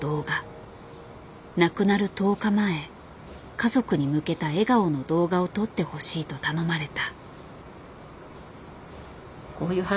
亡くなる１０日前家族に向けた笑顔の動画を撮ってほしいと頼まれた。